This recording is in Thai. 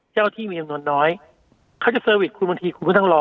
เจ้าหน้าที่มีจำนวนน้อยเขาจะเซอร์วิสคุณบางทีคุณก็ต้องรอ